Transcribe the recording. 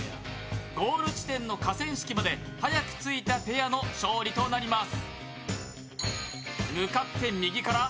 ゴール地点の河川敷まで早く着いたペアの勝利となります。